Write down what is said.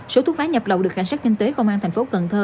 số thuốc lá nhập lậu được cảnh sát kinh tế công an thành phố cần thơ